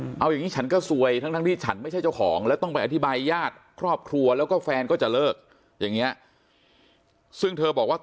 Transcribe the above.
อืมเอาอย่างงี้ฉันก็ซวยทั้งทั้งที่ฉันไม่ใช่เจ้าของ